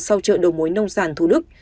sau chợ đồ mối nông sản thủ đức